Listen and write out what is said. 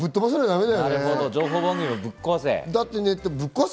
情報番組をぶっ壊せ！